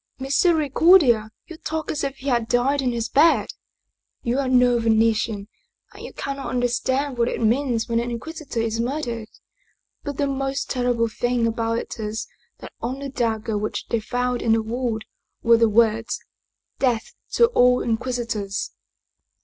" Misericordia! you talk as if he had died in his bed! You are no Venetian, and you cannot understand what it means when an Inquisitor is murdered. But the most ter rible thing about it is that on the dagger which they found in the wound were the words :' Death to all Inquisitors